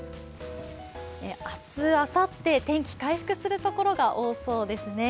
明日、あさって、天気、回復する所が多そうですね。